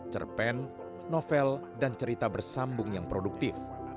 cerpen novel dan cerita bersambung yang produktif